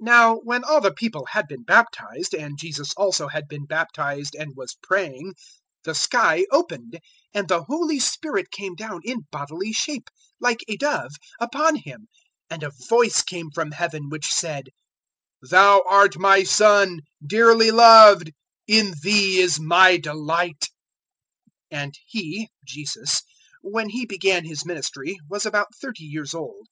003:021 Now when all the people had been baptized, and Jesus also had been baptized and was praying, the sky opened, 003:022 and the Holy Spirit came down in bodily shape, like a dove, upon Him, and a voice came from Heaven, which said, "Thou art My Son, dearly loved: in Thee is My delight." 003:023 And He Jesus when He began His ministry, was about thirty years old.